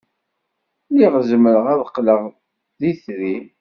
Lliɣ zemreɣ ad qqleɣ d itri.